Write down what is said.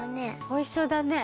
おいしそうだね。